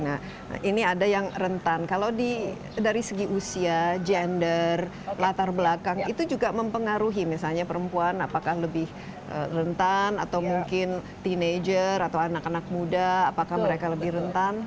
nah ini ada yang rentan kalau dari segi usia gender latar belakang itu juga mempengaruhi misalnya perempuan apakah lebih rentan atau mungkin teenager atau anak anak muda apakah mereka lebih rentan